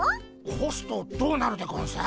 ほすとどうなるでゴンス？